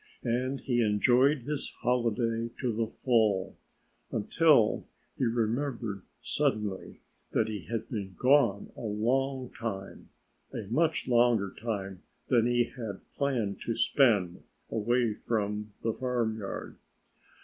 And he enjoyed his holiday to the full until he remembered suddenly that he had been gone a long time a much longer time than he had planned to spend away from the farmyard.